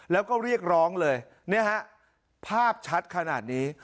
แล้วก็เรียกร้องเลยภาพชัดขนาดนี้